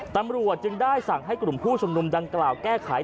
ตำรวจจึงได้สั่งให้กลุ่มผู้ชุมนุมดังกล่าวแก้ไข